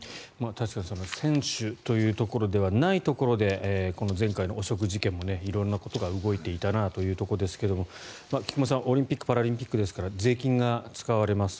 確かに選手というところではないところでこの前回の汚職事件も色んなことが動いていたなということですが菊間さん、オリンピック・パラリンピックですから税金が使われます。